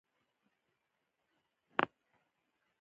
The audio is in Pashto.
دلته خلک یو بشپړ دودیز ژوند لري.